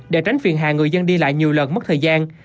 để tránh phiền hà người dân đi lại nhiều lần mất thời gian